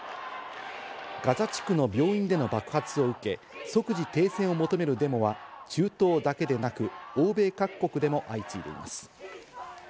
ガザ地区の病院での爆発を受け、即時停戦を求めるデモは中東だけでなく、欧米各国でも相次いでいます。